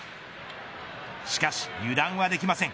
しかし油断はできません。